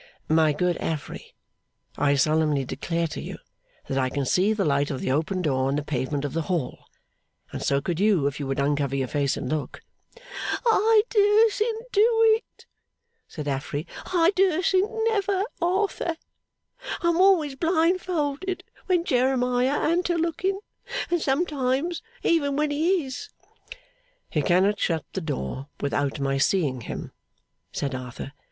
'My good Affery, I solemnly declare to you that I can see the light of the open door on the pavement of the hall, and so could you if you would uncover your face and look.' 'I durstn't do it,' said Affery, 'I durstn't never, Arthur. I'm always blind folded when Jeremiah an't a looking, and sometimes even when he is.' 'He cannot shut the door without my seeing him,' said Arthur.